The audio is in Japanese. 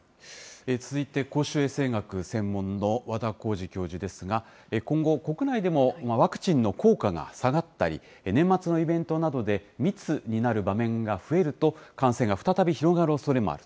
続いて、公衆衛生学専門の和田耕治教授ですが、今後、国内でもワクチンの効果が下がったり、年末のイベントなどで、密になる場面が増えると、感染が再び広がるおそれがある。